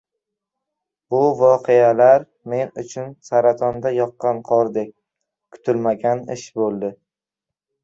— Bu voqealar men uchun saratonda yoqqan qordek, kutilmagan ish bo‘ldi.